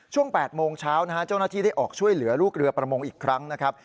๘โมงเช้านะฮะเจ้าหน้าที่ได้ออกช่วยเหลือลูกเรือประมงอีกครั้งนะครับ